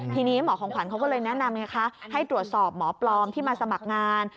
ทีนี้หมอของขวัญเขาก็เลยแนะนำไงคะให้ตรวจสอบหมอปลอมที่มาสมัครงาน